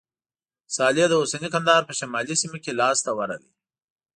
صالح د اوسني کندهار په شمالي سیمو کې لاسته ورغی.